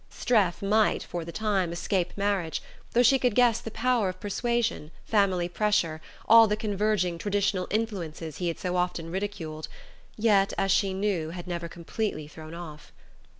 Streff might, for the time, escape marriage; though she could guess the power of persuasion, family pressure, all the converging traditional influences he had so often ridiculed, yet, as she knew, had never completely thrown off....